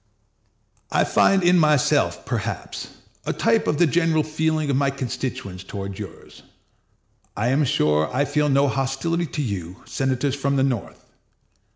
I find in myself, perhaps, a type of the general feeling of my constituents toward yours. I am sure I feel no hostility to you, senators from the North.